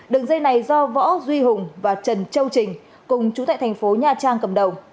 đường dây này do võ duy hùng và trần châu trình cùng chú tại thành phố nha trang cầm đầu